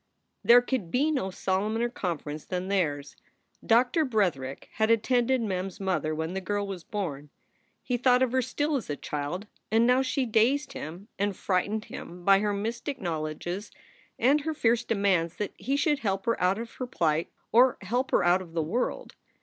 There could be no solemner conference than theirs. Doctor Bretherick had attended Mem s mother when the girl was born. He thought of her still as a child, and now she dazed him and frightened him by her mystic knowledges and her fierce demands that he should help her out of her plight or help her out of the world.